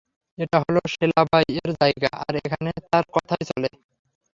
এটা হলো শিলাবাই এর জায়গা, আর এখানে তার কথাই চলে!